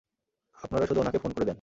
আপনারা শুধু উনাকে ফোন করে দেন।